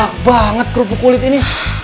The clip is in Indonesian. enak banget kerupuk kulit ini